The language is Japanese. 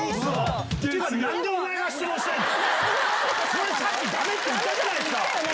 それさっきダメって言ったじゃないですか！